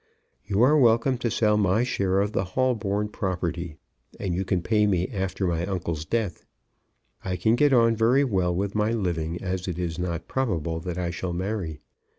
You are welcome to sell my share of the Holborn property, and you can pay me after my uncle's death. I can get on very well with my living, as it is not probable that I shall marry.